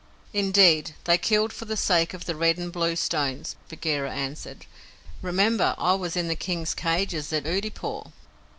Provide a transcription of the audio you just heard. "Indeed, they killed for the sake of the red and blue stones," Bagheera answered. "Remember, I was in the King's cages at Oodeypore."